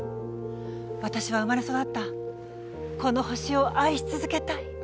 私は生まれ育ったこの地球を愛し続けたい。